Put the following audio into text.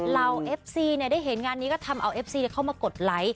เอฟซีได้เห็นงานนี้ก็ทำเอาเอฟซีเข้ามากดไลค์